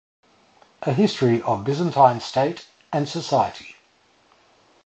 "A History of the Byzantine State and Society".